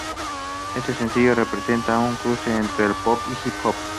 Este sencillo representa un "cruce" entre el pop y hip hop.